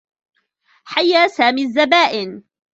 حيّا سامي الزّبائن.